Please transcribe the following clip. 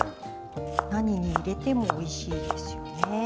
何に入れてもおいしいですよね。